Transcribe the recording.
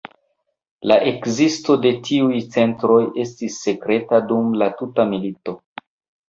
La ekzisto de tiuj centroj estis sekreta dum la tuta milito.